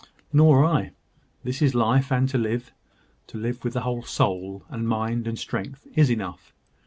"Nor I. This is life: and to live to live with the whole soul, and mind, and strength, is enough.